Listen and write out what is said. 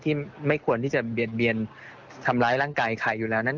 ที่ไม่ควรที่จะเบียดทำร้ายร่างกายใครอยู่แล้ว